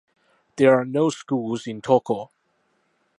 There are no schools in Toko.